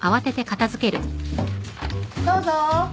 どうぞ。